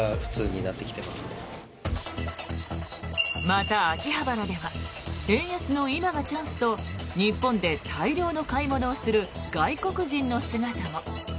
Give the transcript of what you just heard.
また、秋葉原では円安の今がチャンスと日本で大量の買い物をする外国人の姿も。